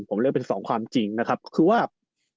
ผมเลือกเป็นสองความจริงนะครับ